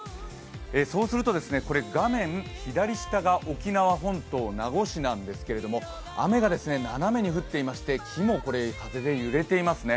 そうすると画面左下が沖縄本島、名護市なんですけど雨が斜めに降っていまして、木も風で揺れていますね。